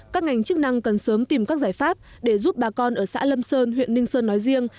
các ngành chức năng cần sớm tìm các giải pháp để giúp bà con ở xã lâm sơn huyện ninh sơn nói riêng